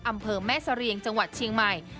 อำเภอแม่เสรียงจังหวัดเชียงใหม่